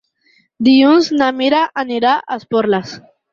Dilluns na Mira anirà a Esporles.